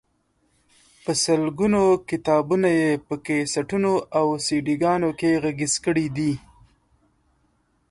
په سلګونو کتابونه یې په کیسټونو او سیډيګانو کې غږیز کړي دي.